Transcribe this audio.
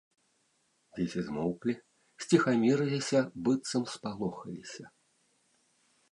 Дзеці змоўклі, сціхамірыліся, быццам спалохаліся.